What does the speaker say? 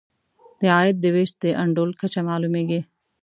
د عاید د وېش د انډول کچه معلوموي.